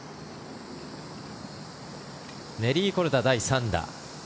ネリー・コルダ、第３打。